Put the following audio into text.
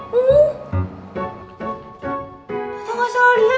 tata gak salah liat kan gary